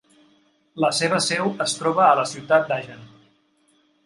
La seva seu es troba a la ciutat de Hagen.